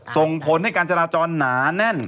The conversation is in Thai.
ส่งผลให้การจราจรหนาแน่น